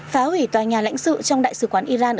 phá hủy tòa nhà lãnh sự trong đại sứ quán iran